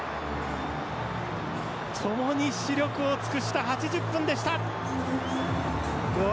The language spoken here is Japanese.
ともに、死力を尽くした８０分間でした。